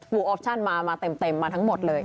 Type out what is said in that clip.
ออปชั่นมาเต็มมาทั้งหมดเลย